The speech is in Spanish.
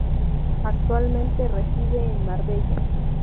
Actualmente reside en Marbella.